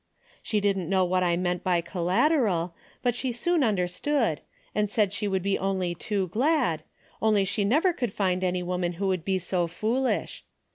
She didn't know what I meant by collateral, but she soon understood, and said she would be only too glad, only she never could find any woman who would be so foolish.